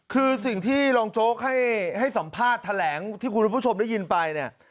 คือสิ่งที่รองโจ๊กให้สัมภาษณ์แถลงที่คุณผู้ชมได้ยินไปเนี่ย